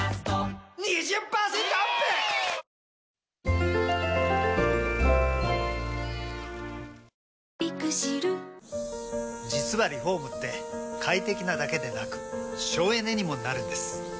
新しい「本麒麟」実はリフォームって快適なだけでなく省エネにもなるんです。